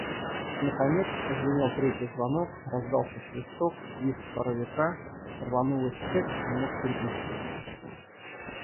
Наконец прозвенел третий звонок, раздался свисток, визг паровика, рванулась цепь, и муж перекрестился.